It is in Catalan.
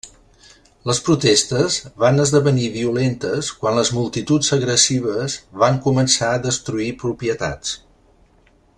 Les protestes van esdevenir violentes quan les multituds agressives van començar destruir propietats.